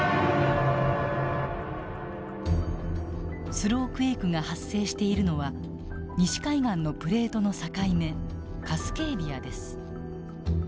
スロークエイクが発生しているのは西海岸のプレートの境目カスケーディアです。